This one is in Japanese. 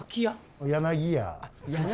柳家！